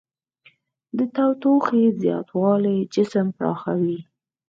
د تودوخې زیاتوالی جسم پراخوي.